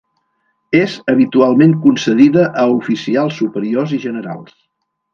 És habitualment concedida a oficials superiors i generals.